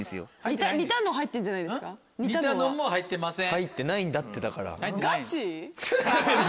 入ってないんだってだから。